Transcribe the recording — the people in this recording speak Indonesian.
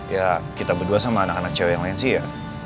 ya kita berdua sama anak anak cewek yang lain sih ya